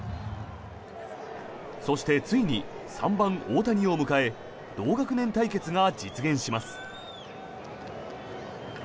そして、ついに３番、大谷を迎え同学年対決が実現します。